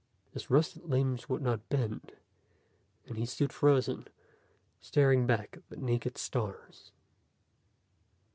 His rusted limbs would not bend, and he stood frozen, staring back at the naked stars.